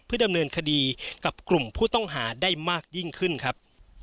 ดำเนินคดีกับกลุ่มผู้ต้องหาได้มากยิ่งขึ้นครับ